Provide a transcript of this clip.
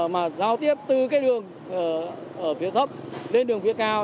mà giao tiếp từ cái đường ở phía thấp lên đường phía cao